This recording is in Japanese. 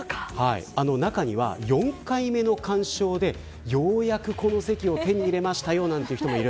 中には、４回目の鑑賞でようやく、この席を手に入れました